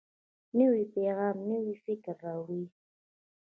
نوی پیغام نوی فکر راوړي